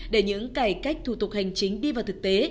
để những cải cách thủ tục hành chính đi vào thực tế